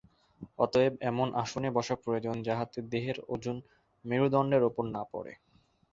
অতএব এমন আসনে বসা প্রয়োজন, যাহাতে দেহের ওজন মেরুদণ্ডের উপর না পড়ে।